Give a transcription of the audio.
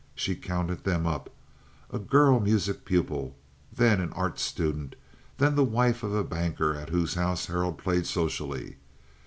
She counted them up—a girl music pupil, then an art student, then the wife of a banker at whose house Harold played socially.